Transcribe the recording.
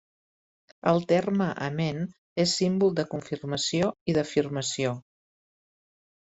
El terme 'amén' és símbol de confirmació i d'afirmació.